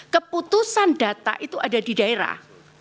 keputusan data itu ada di daerah